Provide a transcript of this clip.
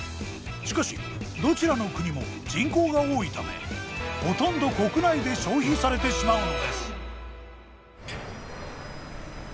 しかしどちらの国も人口が多いためほとんど国内で消費されてしまうのです。